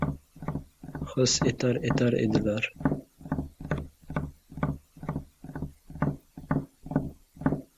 his etar etar edilar.